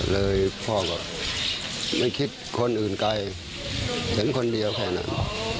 เลยพ่อก็ไม่คิดคนอื่นไกลเห็นคนเดียวแค่นั้น